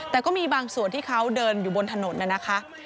แต่ก็มีบางส่วนที่เขาเดินอยู่บนถนนน่ะนะคะ